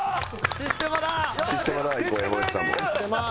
システマ！